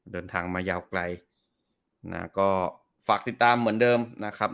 เดินทางมายาวไกลนะก็ฝากติดตามเหมือนเดิมนะครับ